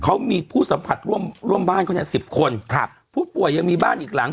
เขามีผู้สัมผัสร่วมร่วมบ้านเขาเนี้ยสิบคนครับผู้ป่วยยังมีบ้านอีกหลัง